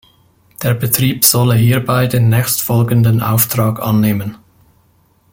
Der Betrieb sollte hierbei den nächstfolgenden Auftrag annehmen.